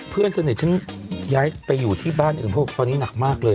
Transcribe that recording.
เพื่อนสนิทฉันย้ายไปอยู่ที่บ้านอื่นเพราะตอนนี้หนักมากเลย